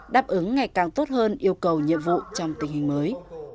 đáp ứng ngày càng tốt hơn yêu cầu nhiệm vụ trong tình hình mới